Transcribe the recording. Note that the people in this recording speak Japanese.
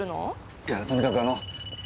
いやとにかくあの。